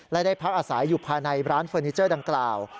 และได้พักอาศัยอยู่ภายในร้านเฟอร์นิเจอร์ดังกล่าว